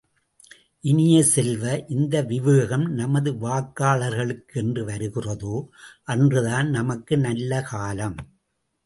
இனிய செல்வ, இந்த விவேகம் நமது வாக்காளர்களுக்கு என்று வருகிறதோ, அன்றுதான் நமக்கு நல்ல காலம்!